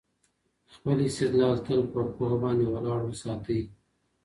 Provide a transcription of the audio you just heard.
خپل استدلال تل په پوهه باندې ولاړ وساتئ.